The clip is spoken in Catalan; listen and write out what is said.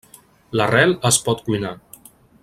L'arrel es pot cuinar.